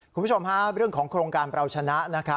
คุณผู้ชมเรื่องของโครงการเราชนะ